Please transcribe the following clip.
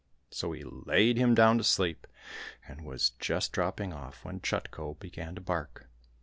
So he laid him down to sleep, and was just dropping off when Chutko began to bark.